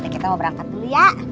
kita mau berangkat dulu ya